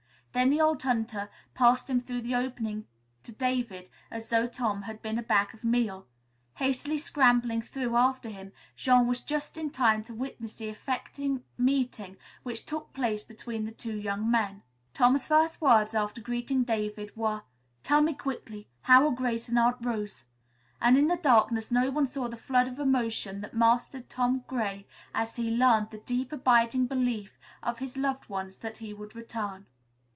Then the old hunter passed him through the opening to David as though Tom had been a bag of meal. Hastily scrambling through after him, Jean was just in time to witness the affecting meeting which took place between the two young men. Tom's first words after greeting David were: "Tell me quickly, how are Grace and Aunt Rose?" And in the darkness no one saw the flood of emotion that mastered Tom Gray as he learned the deep, abiding belief of his loved ones that he would return.